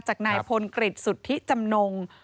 จากนายพลกฤษสุทธิจำนง